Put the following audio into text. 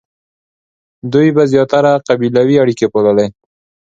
دوی به زیاتره قبیلوي اړیکې پاللې.